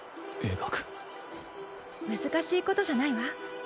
難しいことじゃないわ。